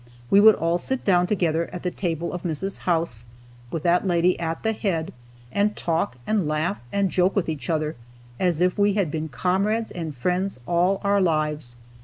We would all sit down together at the table of Mrs. House, with that lady at the head, and talk and laugh, and joke with each other, as if we had been comrades and friends all our lives.